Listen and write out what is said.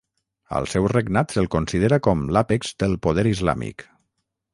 Al seu regnat se'l considera com l'àpex del poder islàmic.